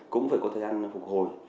cũng phải có thời gian phục hồi